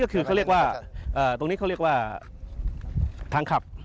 ๑๙ก็คือตรงนี้เขาเรียกว่าทางขับ